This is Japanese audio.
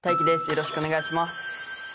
よろしくお願いします。